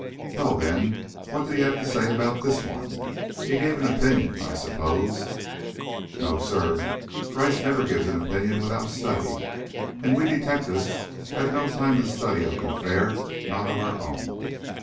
"Well, then, what did he have to say about this one? He gave an opinion, I suppose?" "No, sir. Gryce never gives an opinion without study, and we detectives have no time to study up an affair not our own.